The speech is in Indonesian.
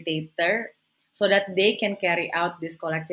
sistem pemerintah untuk membantu